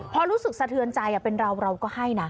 พอรู้สึกสะเทือนใจเป็นเราเราก็ให้นะ